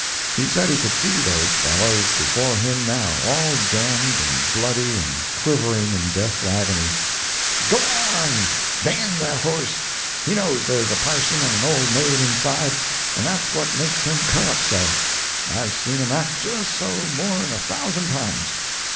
He said he could see those fellows before him now, all jammed and bloody and quivering in death's agony—"G'lang! d—n that horse, he knows there's a parson and an old maid in side, and that's what makes him cut up so; I've saw him act jes' so more'n a thousand times!"